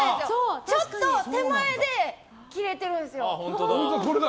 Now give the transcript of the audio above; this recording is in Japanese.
ちょっと手前で切れてるんですよ。